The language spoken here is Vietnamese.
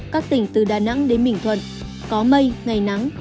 các tỉnh từ đà nẵng đến bình thuận có mây ngày nắng